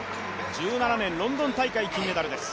１７年ロンドン大会銀メダルです。